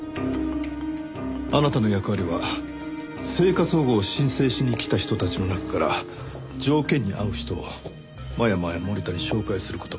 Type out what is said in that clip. あなたの役割は生活保護を申請しに来た人たちの中から条件に合う人を真山や森田に紹介する事。